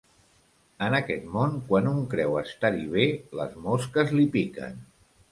En aquest món, quan un creu estar-hi bé, les mosques li piquen.